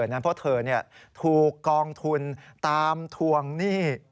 เพราะเธอถูกกองทุนตามทวงหนี้